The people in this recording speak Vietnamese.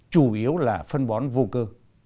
chủ yếu là phân bón vô cơ